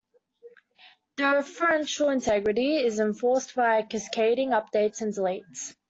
Referential integrity is enforced via cascading updates and deletes.